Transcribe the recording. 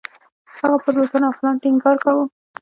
هغه پر روزنه او پلان ټینګار کاوه.